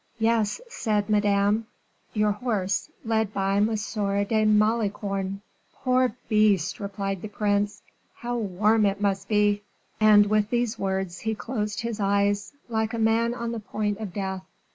"Yes," said Madame; "your horse, led by M. de Malicorne." "Poor beast," replied the prince; "how warm it must be!" And with these words he closed his eyes, like a man on the point of death.